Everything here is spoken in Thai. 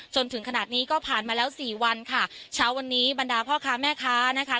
จนถึงขนาดนี้ก็ผ่านมาแล้วสี่วันค่ะเช้าวันนี้บรรดาพ่อค้าแม่ค้านะคะ